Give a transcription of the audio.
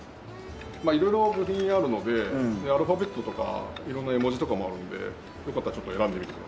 まあ色々部品あるのでアルファベットとか色んな絵文字とかもあるのでよかったらちょっと選んでみてください。